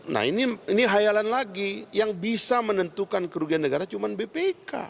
nah ini hayalan lagi yang bisa menentukan kerugian negara cuma bpk